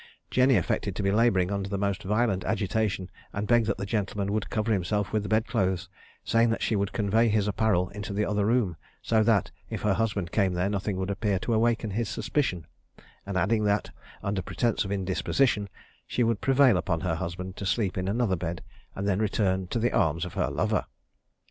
Jenny affected to be labouring under the most violent agitation, and begged that the gentleman would cover himself with the bed clothes, saying that she would convey his apparel into the other room, so that, if her husband came there, nothing would appear to awaken his suspicion; and adding that, under pretence of indisposition, she would prevail upon her husband to sleep in another bed, and then return to the arms of her lover.